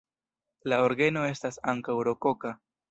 La orgeno estas ankaŭ rokoka.